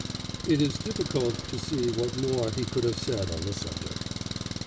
It is difficult to see what more he could have said on the subject.